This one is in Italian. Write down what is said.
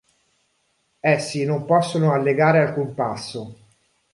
Essi non possono allegare alcun passo.